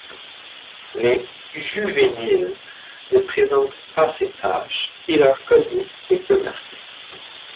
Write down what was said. Les juvéniles ne présentent pas ces taches et leur collier est peu marqué.